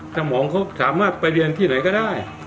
สมองเขาสามารถไปเรียนที่ไหนก็ได้